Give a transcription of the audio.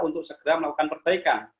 untuk segera melakukan perbaikan